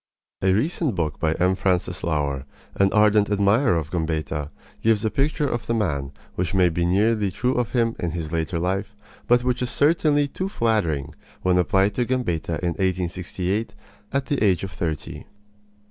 A recent book by M. Francis Laur, an ardent admirer of Gambetta, gives a picture of the man which may be nearly true of him in his later life, but which is certainly too flattering when applied to Gambetta in 1868, at the age of thirty.